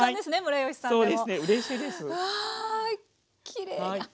きれい。